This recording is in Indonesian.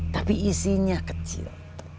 tapi isinya kecil